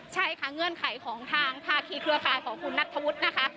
ใช่ค่ะเงื่อนไขของทางภาคีเครือข่ายของคุณนัทธวุฒินะคะ